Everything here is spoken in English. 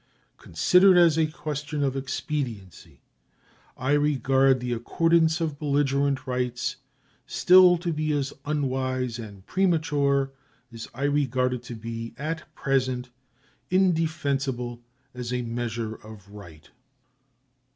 Considered as a question of expediency, I regard the accordance of belligerent rights still to be as unwise and premature as I regard it to be, at present, indefensible as a measure of right.